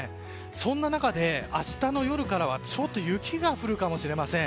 そんな中、明日の夜からはちょっと雪が降るかもしれません。